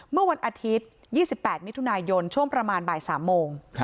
เมื่อวันอาทิตย์๒๘มิถุนายนช่วงประมาณบ่าย๓โมง